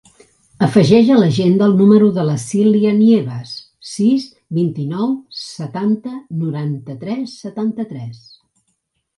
Afegeix a l'agenda el número de la Silya Nievas: sis, vint-i-nou, setanta, noranta-tres, setanta-tres.